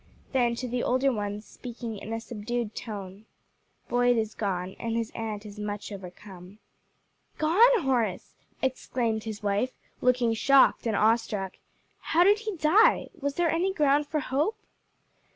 Then to the older ones, speaking in a subdued tone, "Boyd is gone, and his aunt is much overcome." "Gone, Horace!" exclaimed his wife, looking shocked and awe struck: "how did he die? was there any ground for hope?"